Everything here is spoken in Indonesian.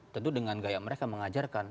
tentu dengan gaya mereka mengajarkan